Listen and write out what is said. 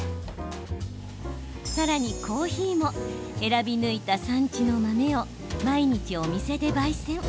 さらに、コーヒーも選び抜いた産地の豆を毎日お店で、ばい煎。